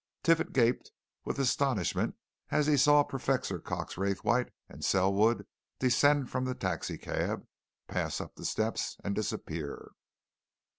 Triffitt gaped with astonishment as he saw Professor Cox Raythwaite and Selwood descend from the taxi cab, pass up the steps, and disappear.